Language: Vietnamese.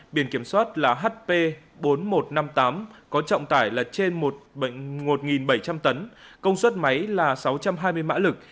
biển kiểm soát là hp bốn nghìn một trăm năm mươi tám có trọng tải là trên một bảy trăm linh tấn công suất máy là sáu trăm hai mươi mã lực